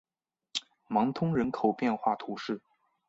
芒通人口变化图示